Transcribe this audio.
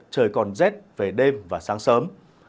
trời còn rét về đêm và sáng sớm